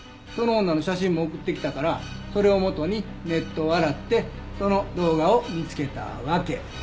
その女の写真も送ってきたからそれを元にネットを洗ってその動画を見つけたわけ。